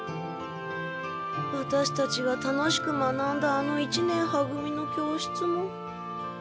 ワタシたちが楽しく学んだあの一年は組の教室も。